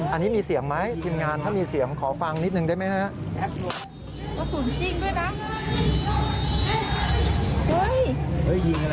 อันนี้มีเสียงไหมทีมงานถ้ามีเสียงขอฟังนิดนึงได้ไหมฮะ